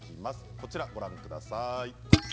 こちらご覧下さい。